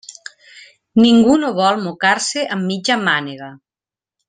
Ningú no vol mocar-se amb mitja mànega.